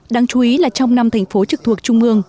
đáng chú ý là trong năm thành phố trực thuộc trung ương